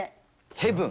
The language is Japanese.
ヘブン？